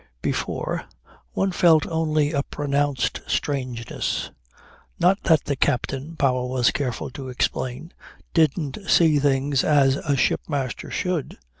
Before, one felt only a pronounced strangeness. Not that the captain Powell was careful to explain didn't see things as a ship master should.